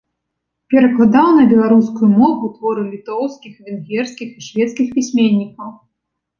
Перакладаў на беларускую мову творы літоўскіх, венгерскіх і шведскіх пісьменнікаў.